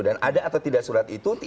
dan ada atau tidak surat itu